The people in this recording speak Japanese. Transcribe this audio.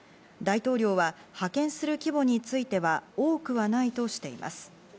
大統領は派遣する規模については多くはないとしています。